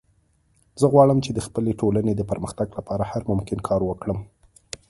زه غواړم چې د خپلې ټولنې د پرمختګ لپاره هر ممکن کار وکړم